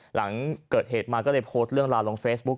หลังเกิดเหตุมาก็เลยโพสต์เรื่องราวลงเฟซบุ๊ค